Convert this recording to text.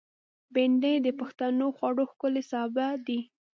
بېنډۍ د پښتنو خوړو ښکلی سابه دی